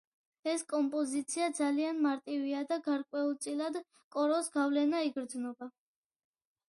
ეს კომპოზიცია ძალიან მარტივია და გარკვეულწილად კოროს გავლენა იგრძნობა.